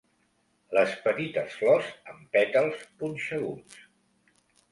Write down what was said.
Les petites flors amb pètals punxeguts.